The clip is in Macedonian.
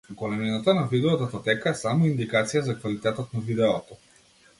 Големината на видео датотека е само индикација за квалитетот на видеото.